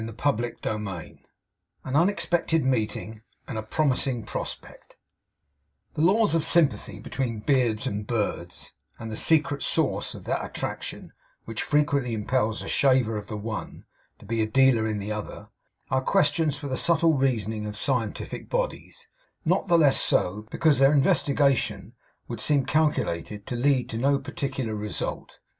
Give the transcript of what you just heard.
CHAPTER TWENTY SIX AN UNEXPECTED MEETING, AND A PROMISING PROSPECT The laws of sympathy between beards and birds, and the secret source of that attraction which frequently impels a shaver of the one to be a dealer in the other, are questions for the subtle reasoning of scientific bodies; not the less so, because their investigation would seem calculated to lead to no particular result.